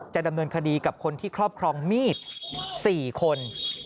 ดำเนินคดีกับคนที่ครอบครองมีด๔คน